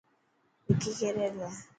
وڪي ڪيريلا.